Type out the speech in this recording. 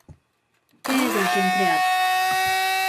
Què és el que han creat?